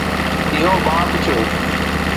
اهو باب ٿيو